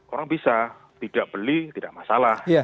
orang bisa tidak beli tidak masalah